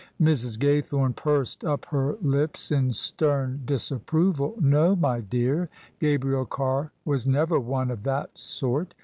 Mrs. Gaythome pursed up her lips in stern disapproval. "No, my dear; Gabriel Carr was never one of that sort.